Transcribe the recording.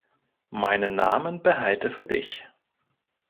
Meinen Namen behalte für dich.